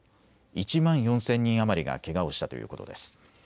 １万４０００人余りがけがをしたということです。